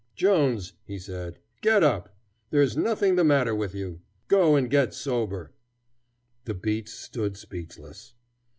"Jones," he said, "get up! There is nothing the matter with you. Go and get sober." The beats stood speechless.